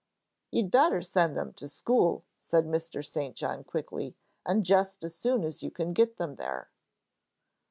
"You better send them to school," said Mr. St. John, quickly. "And just as soon as you can get them there."